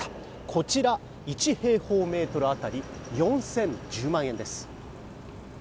こちら、１平方メートル当たり４０１０万円です。